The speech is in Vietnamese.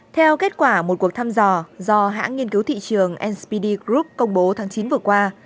theo kết quả một cuộc thăm dò do hãng nghiên cứu thị trường npd group công bố tháng chín vừa qua